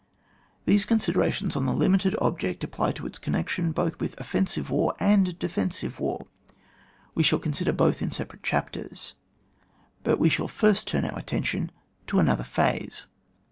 These considerations on the limited object apply to its connection both with offensive war and defensive war; we shall consider both in separate chapters. But we shall first turn our attention to another phase.